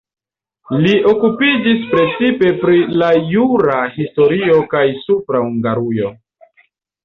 Li okupiĝis precipe pri la jura historio kaj Supra Hungarujo.